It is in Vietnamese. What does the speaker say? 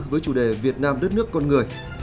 với chủ đề việt nam đất nước con người